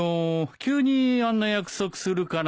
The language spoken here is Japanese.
急にあんな約束するから。